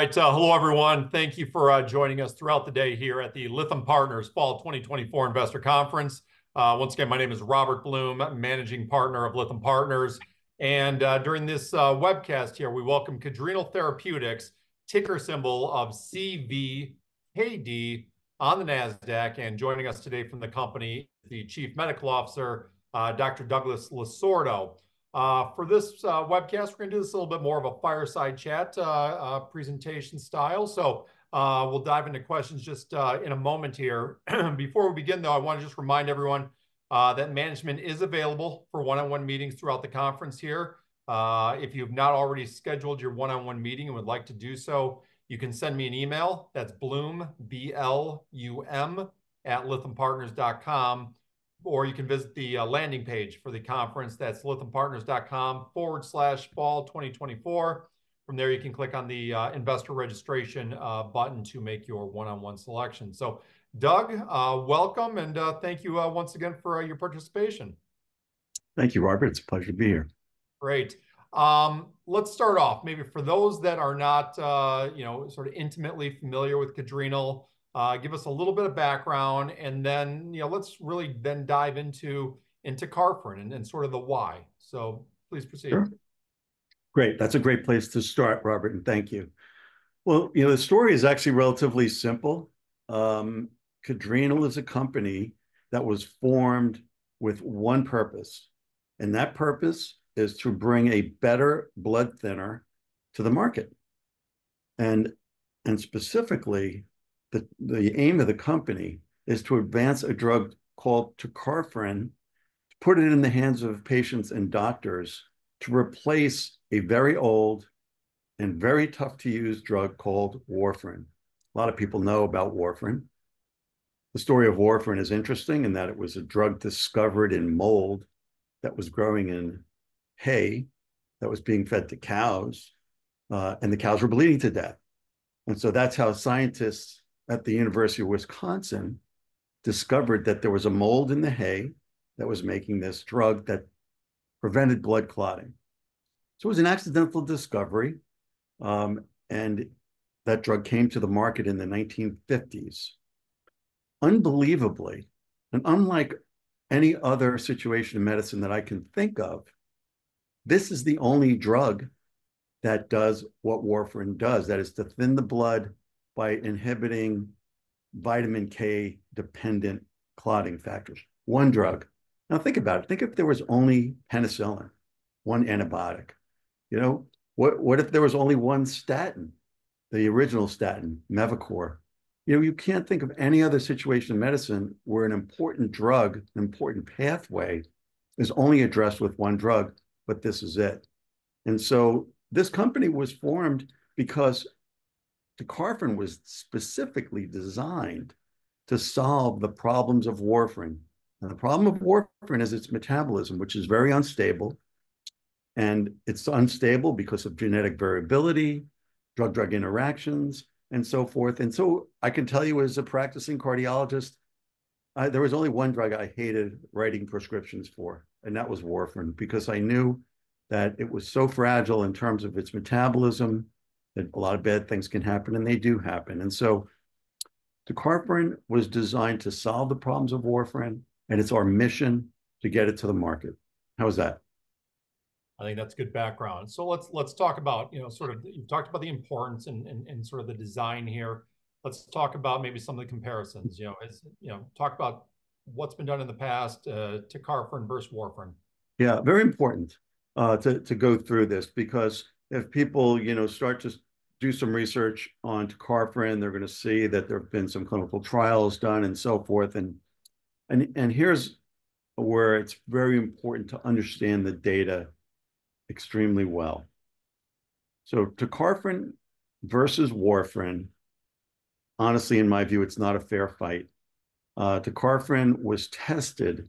All right, hello, everyone. Thank you for joining us throughout the day here at the Lytham Partners Fall 2024 Investor Conference. Once again, my name is Robert Blum, Managing Partner of Lytham Partners, and during this webcast here, we welcome Cadrenal Therapeutics, ticker symbol of CVHD on the Nasdaq, and joining us today from the company, the Chief Medical Officer, Dr. Douglas Losordo. For this webcast, we're gonna do this a little bit more of a fireside chat presentation style. So, we'll dive into questions just in a moment here. Before we begin, though, I wanna just remind everyone that management is available for one-on-one meetings throughout the conference here. If you've not already scheduled your one-on-one meeting and would like to do so, you can send me an email, that's Blum, B-L-U-M, @lythampartners.com, or you can visit the landing page for the conference. That's lythampartners.com/fall2024. From there, you can click on the investor registration button to make your one-on-one selection. So Doug, welcome, and thank you once again for your participation. Thank you, Robert. It's a pleasure to be here. Great. Let's start off. Maybe for those that are not you know sort of intimately familiar with Cadrenal, give us a little bit of background, and then, you know, let's really then dive into tecarfarin and sort of the why. So please proceed. Sure. Great, that's a great place to start, Robert, and thank you. Well, you know, the story is actually relatively simple. Cadrenal is a company that was formed with one purpose, and that purpose is to bring a better blood thinner to the market. And specifically, the aim of the company is to advance a drug called tecarfarin, to put it in the hands of patients and doctors to replace a very old and very tough-to-use drug called warfarin. A lot of people know about warfarin. The story of warfarin is interesting in that it was a drug discovered in mold that was growing in hay that was being fed to cows, and the cows were bleeding to death. And so that's how scientists at the University of Wisconsin discovered that there was a mold in the hay that was making this drug that prevented blood clotting. So it was an accidental discovery, and that drug came to the market in the nineteen fifties. Unbelievably, and unlike any other situation in medicine that I can think of, this is the only drug that does what warfarin does, that is, to thin the blood by inhibiting vitamin K-dependent clotting factors. One drug. Now, think about it. Think if there was only penicillin, one antibiotic. You know, what if there was only one statin, the original statin, Mevacor? You know, you can't think of any other situation in medicine where an important drug, an important pathway, is only addressed with one drug, but this is it. And so this company was formed because tecarfarin was specifically designed to solve the problems of warfarin, and the problem of warfarin is its metabolism, which is very unstable, and it's unstable because of genetic variability, drug-drug interactions, and so forth. And so I can tell you, as a practicing cardiologist, I, there was only one drug I hated writing prescriptions for, and that was warfarin, because I knew that it was so fragile in terms of its metabolism, that a lot of bad things can happen, and they do happen. And so tecarfarin was designed to solve the problems of warfarin, and it's our mission to get it to the market. How was that? I think that's good background. So let's talk about, you know, sort of. You've talked about the importance and sort of the design here. Let's talk about maybe some of the comparisons, you know, as you know, talk about what's been done in the past, tecarfarin versus warfarin. Yeah, very important to go through this because if people, you know, start to do some research on tecarfarin, they're gonna see that there have been some clinical trials done and so forth, and here's where it's very important to understand the data extremely well. So tecarfarin versus warfarin, honestly, in my view, it's not a fair fight. Tecarfarin was tested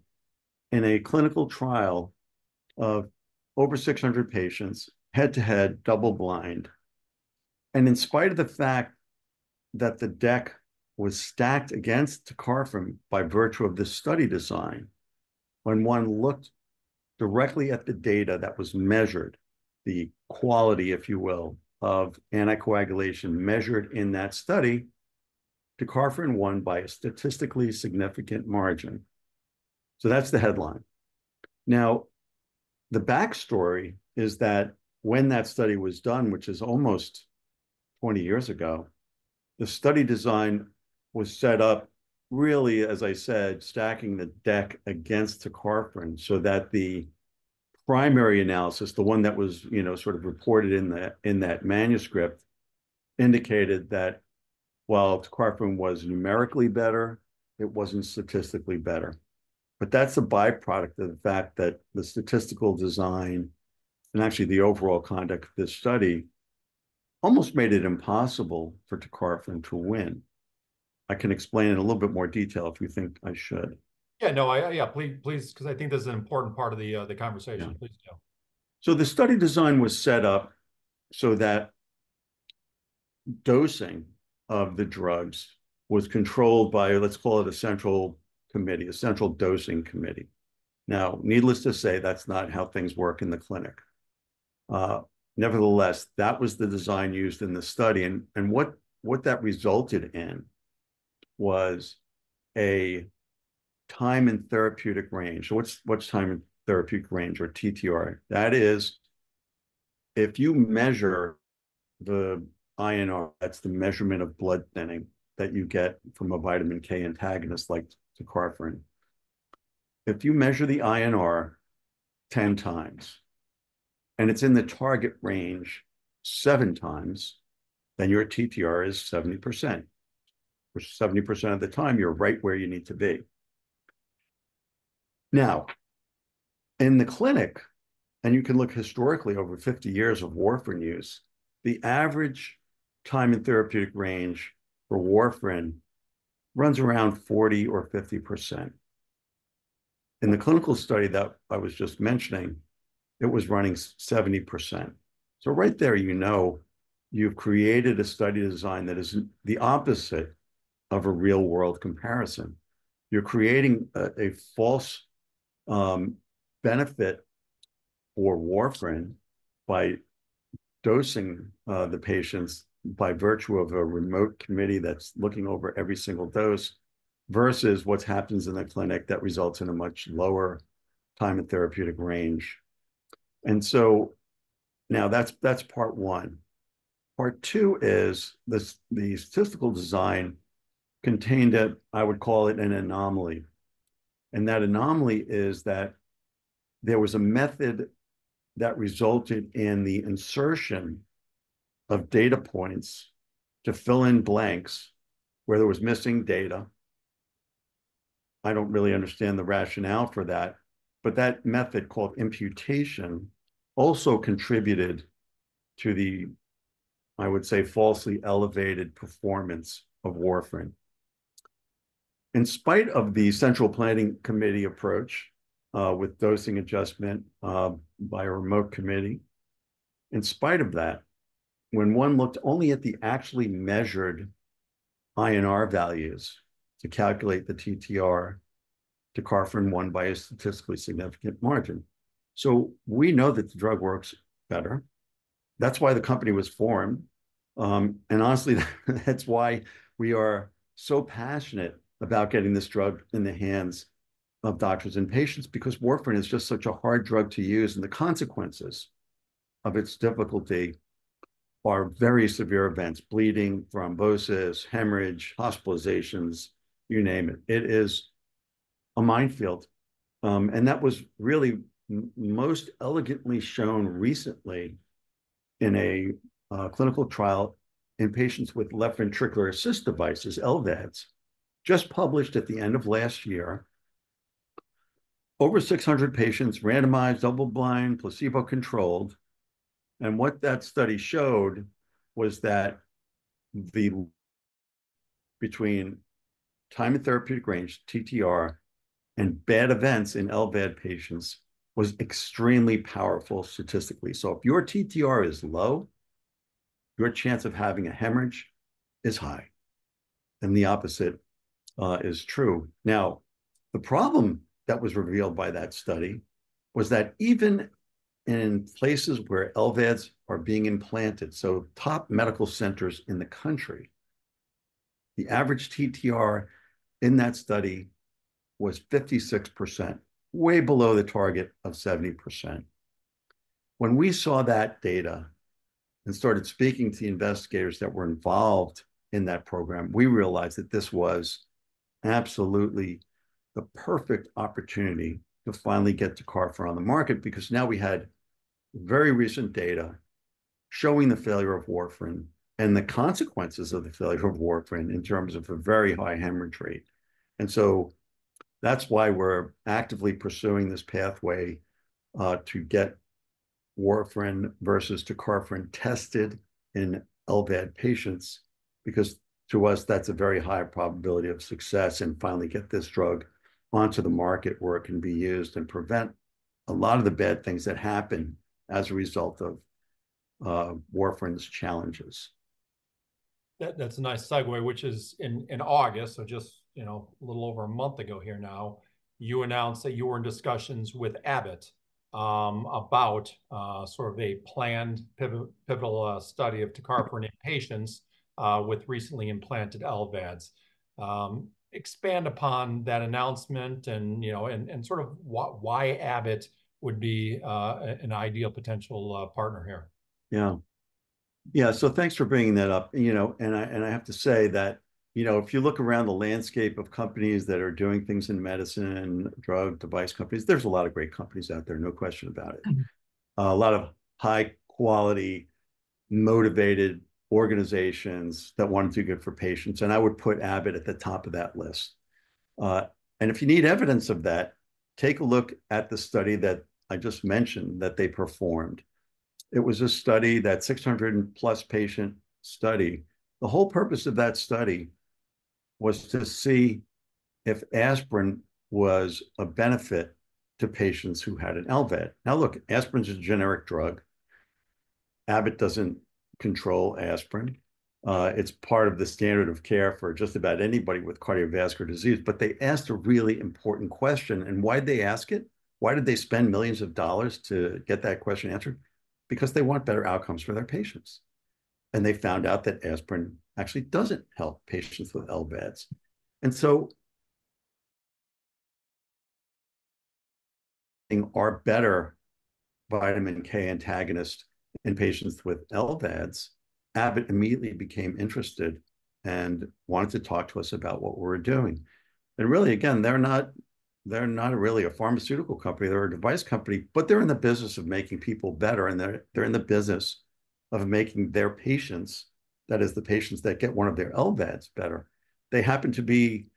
in a clinical trial of over 600 patients, head-to-head, double-blind, and in spite of the fact that the deck was stacked against tecarfarin by virtue of this study design, when one looked directly at the data that was measured, the quality, if you will, of anticoagulation measured in that study, tecarfarin won by a statistically significant margin. So that's the headline. Now, the backstory is that when that study was done, which is almost twenty years ago, the study design was set up, really, as I said, stacking the deck against tecarfarin so that the primary analysis, the one that was, you know, sort of reported in that, in that manuscript, indicated that while tecarfarin was numerically better, it wasn't statistically better. But that's a by-product of the fact that the statistical design, and actually the overall conduct of this study, almost made it impossible for tecarfarin to win. I can explain in a little bit more detail if you think I should. Yeah, no, I yeah, please, 'cause I think this is an important part of the conversation- Yeah... please do. So the study design was set up so that dosing of the drugs was controlled by, let's call it a central committee, a central dosing committee. Now, needless to say, that's not how things work in the clinic. Nevertheless, that was the design used in the study, and what that resulted in was a time in therapeutic range. So what's time in therapeutic range or TTR? That is, if you measure the INR, that's the measurement of blood thinning that you get from a vitamin K antagonist like tecarfarin. If you measure the INR 10 times, and it's in the target range seven times, then your TTR is 70%, which is 70% of the time you're right where you need to be. Now, in the clinic, and you can look historically over fifty years of warfarin use, the average time in therapeutic range for warfarin runs around 40% or 50%. In the clinical study that I was just mentioning, it was running 70%. So right there, you know, you've created a study design that is the opposite of a real-world comparison. You're creating a false benefit for warfarin by dosing the patients by virtue of a remote committee that's looking over every single dose, versus what happens in a clinic that results in a much lower time in therapeutic range. And so now that's part one. Part two is the statistical design contained a, I would call it, an anomaly, and that anomaly is that there was a method that resulted in the insertion of data points to fill in blanks where there was missing data. I don't really understand the rationale for that, but that method, called imputation, also contributed to the, I would say, falsely elevated performance of warfarin. In spite of the central planning committee approach, with dosing adjustment by a remote committee, in spite of that, when one looked only at the actually measured INR values to calculate the TTR, tecarfarin won by a statistically significant margin. So we know that the drug works better. That's why the company was formed. And honestly, that's why we are so passionate about getting this drug in the hands of doctors and patients, because Warfarin is just such a hard drug to use, and the consequences of its difficulty are very severe events: bleeding, thrombosis, hemorrhage, hospitalizations, you name it. It is a minefield. And that was really most elegantly shown recently in a clinical trial in patients with left ventricular assist devices, LVADs, just published at the end of last year. Over 600 patients, randomized, double-blind, placebo-controlled, and what that study showed was that the time in therapeutic range, TTR, and bad events in LVAD patients was extremely powerful statistically. So if your TTR is low, your chance of having a hemorrhage is high, and the opposite is true. Now, the problem that was revealed by that study was that even in places where LVADs are being implanted, so top medical centers in the country, the average TTR in that study was 56%, way below the target of 70%. When we saw that data and started speaking to the investigators that were involved in that program, we realized that this was absolutely the perfect opportunity to finally get tecarfarin on the market, because now we had very recent data showing the failure of warfarin and the consequences of the failure of warfarin in terms of a very high hemorrhage rate. And so that's why we're actively pursuing this pathway, to get warfarin versus tecarfarin tested in LVAD patients, because to us, that's a very high probability of success, and finally get this drug onto the market where it can be used and prevent a lot of the bad things that happen as a result of, warfarin's challenges. That, that's a nice segue, which is in August, so just, you know, a little over a month ago here now, you announced that you were in discussions with Abbott about sort of a planned pivotal study of tecarfarin in patients with recently implanted LVADs. Expand upon that announcement and, you know, and sort of why Abbott would be an ideal potential partner here? Yeah. Yeah, so thanks for bringing that up, you know, and I, and I have to say that, you know, if you look around the landscape of companies that are doing things in medicine, drug device companies, there's a lot of great companies out there, no question about it. A lot of high-quality, motivated organizations that want to do good for patients, and I would put Abbott at the top of that list. And if you need evidence of that, take a look at the study that I just mentioned that they performed. It was a study, that six hundred-plus patient study. The whole purpose of that study was to see if aspirin was a benefit to patients who had an LVAD. Now, look, aspirin's a generic drug. Abbott doesn't control aspirin. It's part of the standard of care for just about anybody with cardiovascular disease, but they asked a really important question, and why'd they ask it? Why did they spend millions of dollars to get that question answered? Because they want better outcomes for their patients, and they found out that aspirin actually doesn't help patients with LVADs. And so, a better vitamin K antagonist in patients with LVADs, Abbott immediately became interested and wanted to talk to us about what we're doing. And really, again, they're not, they're not really a pharmaceutical company, they're a device company, but they're in the business of making people better, and they're, they're in the business of making their patients, that is, the patients that get one of their LVADs better. They happen to be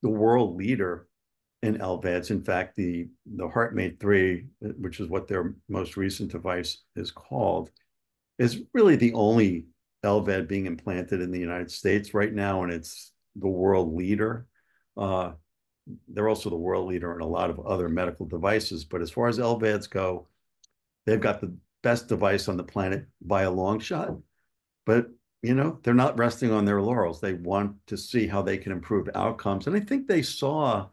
the world leader in LVADs. In fact, the HeartMate 3, which is what their most recent device is called, is really the only LVAD being implanted in the United States right now, and it's the world leader. They're also the world leader in a lot of other medical devices, but as far as LVADs go, they've got the best device on the planet by a long shot. But, you know, they're not resting on their laurels. They want to see how they can improve outcomes. And I think they saw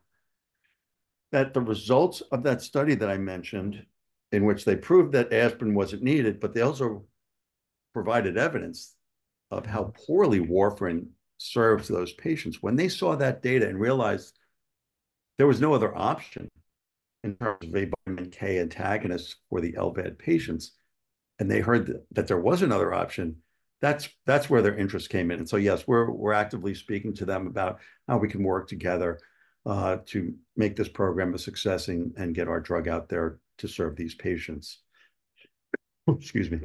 that the results of that study that I mentioned, in which they proved that aspirin wasn't needed, but they also provided evidence of how poorly warfarin serves those patients. When they saw that data and realized there was no other option in terms of a vitamin K antagonist for the LVAD patients, and they heard that there was another option, that's where their interest came in. And so, yes, we're actively speaking to them about how we can work together to make this program a success and get our drug out there to serve these patients. Excuse me.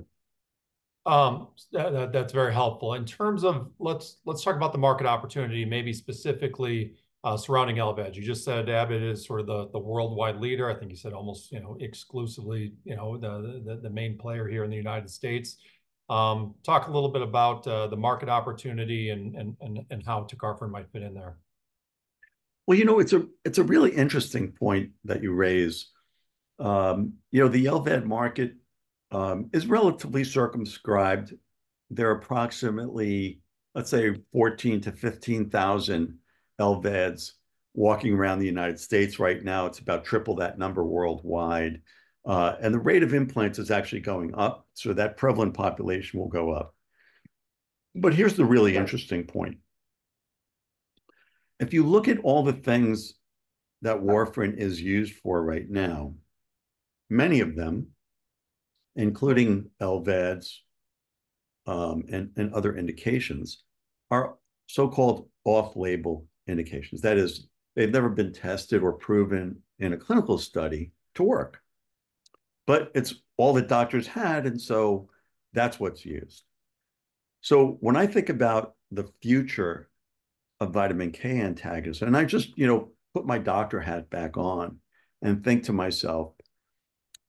That, that's very helpful. In terms of... Let's talk about the market opportunity, maybe specifically surrounding LVADs. You just said Abbott is sort of the worldwide leader. I think you said almost, you know, exclusively, you know, the main player here in the United States. Talk a little bit about the market opportunity and how tecarfarin might fit in there. You know, it's a really interesting point that you raise. You know, the LVAD market is relatively circumscribed. There are approximately, let's say, 14-15 thousand LVADs walking around the United States right now. It's about triple that number worldwide. And the rate of implants is actually going up, so that prevalent population will go up. But here's the really interesting point: If you look at all the things that warfarin is used for right now, many of them, including LVADs, and other indications, are so-called off-label indications. That is, they've never been tested or proven in a clinical study to work, but it's all that doctors had, and so that's what's used. So when I think about the future of vitamin K antagonist, and I just, you know, put my doctor hat back on and think to myself,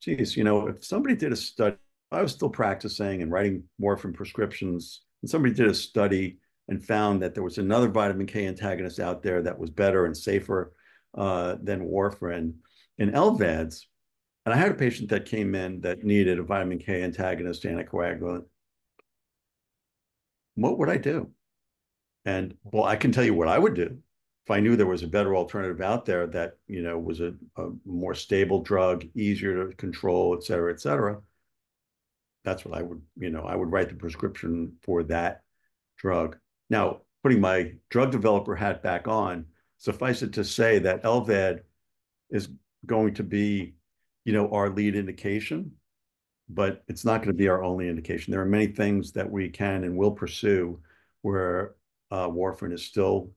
geez, you know, if somebody did a study, I was still practicing and writing warfarin prescriptions, and somebody did a study and found that there was another vitamin K antagonist out there that was better and safer than warfarin in LVADs, and I had a patient that came in that needed a vitamin K antagonist anticoagulant, what would I do? And, well, I can tell you what I would do. If I knew there was a better alternative out there that, you know, was a more stable drug, easier to control, et cetera, et cetera, that's what I would... You know, I would write the prescription for that drug. Now, putting my drug developer hat back on, suffice it to say that LVAD is going to be, you know, our lead indication, but it's not gonna be our only indication. There are many things that we can and will pursue where Warfarin is still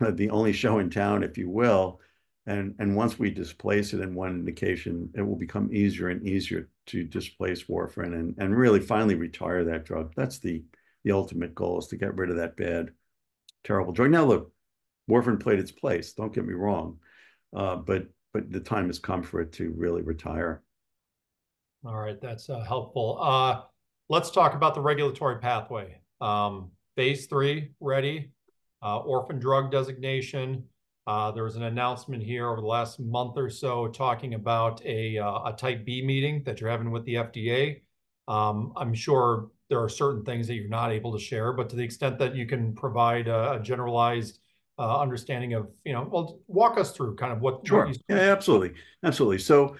the only show in town, if you will. Once we displace it in one indication, it will become easier and easier to displace Warfarin and really finally retire that drug. That's the ultimate goal, is to get rid of that bad, terrible drug. Now, look, Warfarin played its place, don't get me wrong, but the time has come for it to really retire. All right. That's helpful. Let's talk about the regulatory pathway. Phase 3 ready, orphan drug designation. There was an announcement here over the last month or so, talking about a Type B meeting that you're having with the FDA. I'm sure there are certain things that you're not able to share, but to the extent that you can provide a generalized understanding of, you know... Well, walk us through kind of what these- Sure. Yeah, absolutely. Absolutely. So,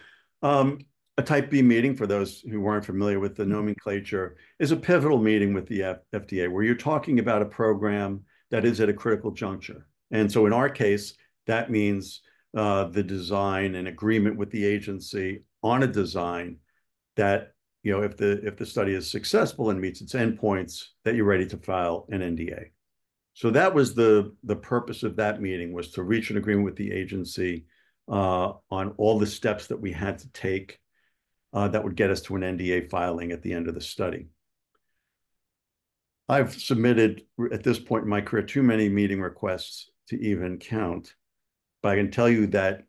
a Type B meeting, for those who aren't familiar with the nomenclature, is a pivotal meeting with the FDA, where you're talking about a program that is at a critical juncture. And so in our case, that means the design and agreement with the agency on a design that, you know, if the study is successful and meets its endpoints, that you're ready to file an NDA. So that was the purpose of that meeting, was to reach an agreement with the agency on all the steps that we had to take that would get us to an NDA filing at the end of the study. I've submitted, at this point in my career, too many meeting requests to even count, but I can tell you that,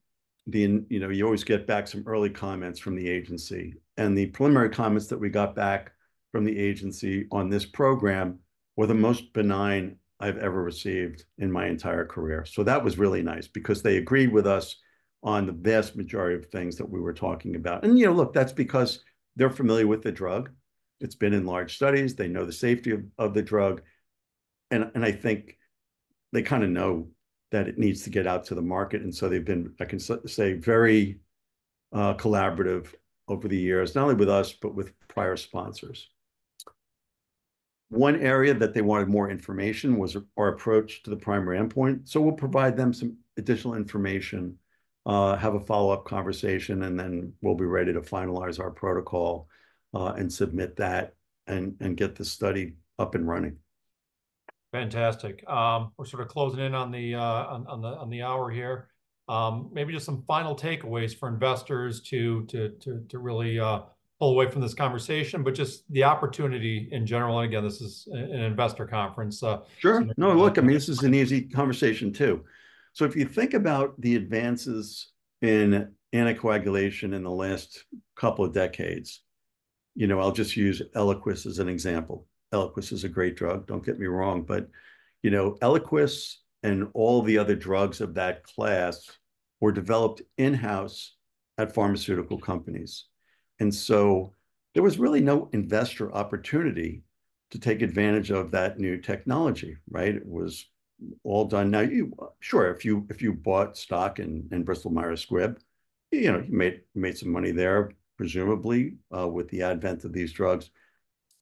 you know, you always get back some early comments from the agency, and the preliminary comments that we got back from the agency on this program were the most benign I've ever received in my entire career. So that was really nice because they agreed with us on the vast majority of things that we were talking about. And, you know, look, that's because they're familiar with the drug. It's been in large studies, they know the safety of the drug, and I think they kind of know that it needs to get out to the market, and so they've been, I can say, very collaborative over the years, not only with us, but with prior sponsors. One area that they wanted more information was our approach to the primary endpoint, so we'll provide them some additional information, have a follow-up conversation, and then we'll be ready to finalize our protocol, and submit that, and get the study up and running. Fantastic. We're sort of closing in on the hour here. Maybe just some final takeaways for investors to really pull away from this conversation, but just the opportunity in general, and again, this is an investor conference. Sure! No, look, I mean, this is an easy conversation, too. So if you think about the advances in anticoagulation in the last couple of decades, you know, I'll just use Eliquis as an example. Eliquis is a great drug, don't get me wrong, but, you know, Eliquis and all the other drugs of that class were developed in-house at pharmaceutical companies. And so there was really no investor opportunity to take advantage of that new technology, right? It was all done... Now, sure, if you bought stock in Bristol Myers Squibb, you know, you made some money there, presumably, with the advent of these drugs,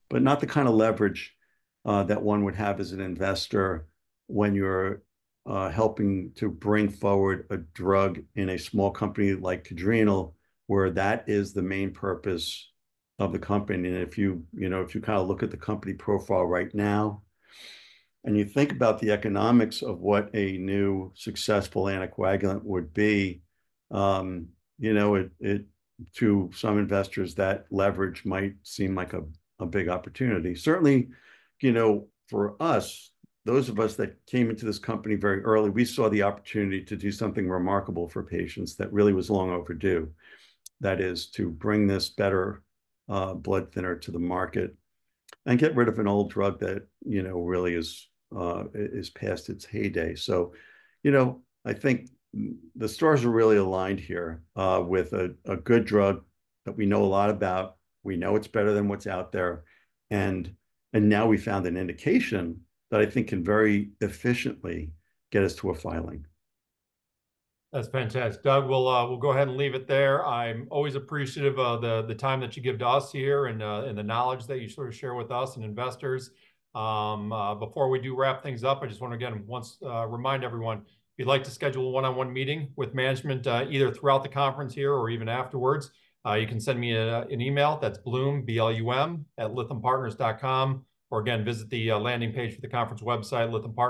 but not the kind of leverage that one would have as an investor when you're helping to bring forward a drug in a small company like Cadrenal, where that is the main purpose of the company. If you know, if you kind of look at the company profile right now, and you think about the economics of what a new successful anticoagulant would be, you know, it to some investors, that leverage might seem like a big opportunity. Certainly, you know, for us, those of us that came into this company very early, we saw the opportunity to do something remarkable for patients that really was long overdue, that is, to bring this better blood thinner to the market and get rid of an old drug that, you know, really is past its heyday. You know, I think the stars are really aligned here with a good drug that we know a lot about. We know it's better than what's out there, and now we found an indication that I think can very efficiently get us to a filing. That's fantastic. Doug, we'll go ahead and leave it there. I'm always appreciative of the time that you give to us here and the knowledge that you sort of share with us and investors. Before we do wrap things up, I just want to again, once, remind everyone, if you'd like to schedule a one-on-one meeting with management, either throughout the conference here or even afterwards, you can send me an email. That's Blum, B-L-U-M, @lythampartners.com, or again, visit the landing page for the conference website, Lytham Partners-